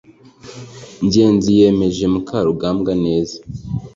ngenzi yemeje mukarugambwa neza